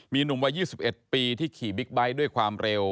มีหนุ่มวัย๒๑ปีที่ขี่บิ๊กไบท์ด้วยความเร็ว